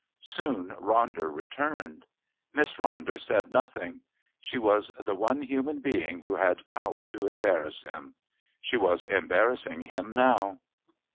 Soon Ronder returned. Miss Ronder said nothing. She was the one human being who had power to embarrass him. She was embarrassing him now.